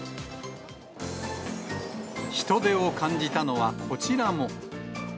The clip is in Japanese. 人出を感じたのはこちらも。